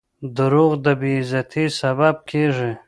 • دروغ د بې عزتۍ سبب کیږي.